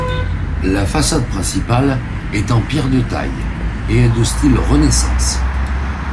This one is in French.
La façade principale est en pierre de taille et est de style Renaissance.